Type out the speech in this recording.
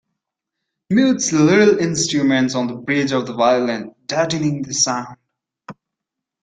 Mutes little instruments on the bridge of the violin, deadening the sound.